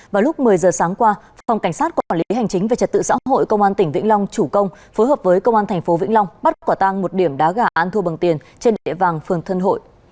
vào lúc một mươi giờ sáng qua phòng cảnh sát quản lý hành chính về trật tự xã hội công an tỉnh vĩnh long chủ công phối hợp với công an tp vĩnh long bắt quả tang một điểm đá gà ăn thua bằng tiền trên địa bàn phường thân hội